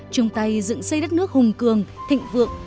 chung tay dựng xây đất nước hùng cường thịnh vượng